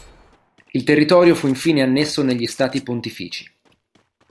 Il territorio fu infine annesso negli stati pontifici.